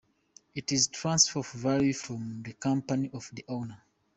It is a transfer of value from the company to the owner.